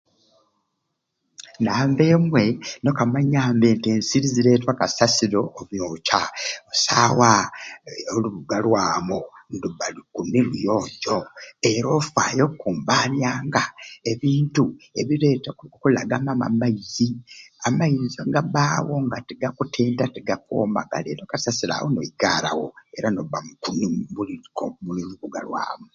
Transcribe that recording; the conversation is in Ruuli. Namba emwei nokamanya mbe nti ensiri ziretwa kasasiro obyokya okusawa olubuga lwamu ndubba lukuni luyonjo era ofayo okumbanyanga ebintu ebireta okulagamamu amaizi amaizi agabawo nga tigakutinta tigakwoma galeeta okasasiro awo noigaraawo era noba mukuuni omubuli omulubuga lwamu.